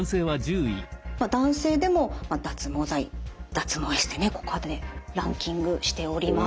男性でも脱毛剤脱毛エステねランキングしております。